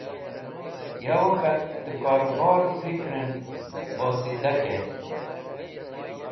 Yowey K̃hat te Korubore Fikren Bosidah Kert